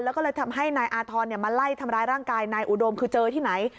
แล้วก็เลยทำให้นายอาธรณ์มาไล่ทำร้ายร่างกายนายอุดมคือเจอที่ไหน